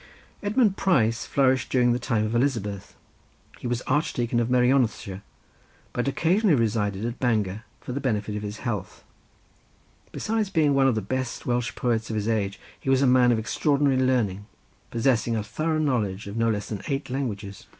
Edmund Price flourished during the time of Elizabeth. He was archdeacon of Merionethshire, but occasionally resided at Bangor for the benefit of his health. Besides being one of the best Welsh poets of his age he was a man of extraordinary learning, possessing a thorough knowledge of no less than eight languages.